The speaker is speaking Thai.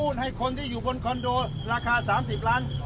จากที่อยู่บนคอนโดราคาสามสิบล้านนิดหนึ่ง